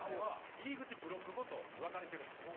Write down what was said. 入り口ブロックごとに分かれてるんですね。